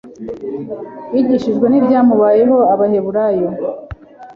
yigishijwe n ibyamubayeho abaheburayo